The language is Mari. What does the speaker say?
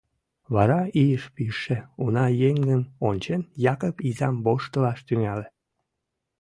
Вара, ийыш пижше уна еҥым ончен, Якып изам воштылаш тӱҥале.